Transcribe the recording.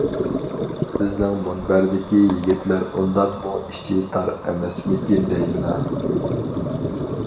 بىزنىڭ مۇنبەردىكى يىگىتلەر ئۇنداقمۇ ئىچى تار ئەمەسمىكىن دەيمىنا!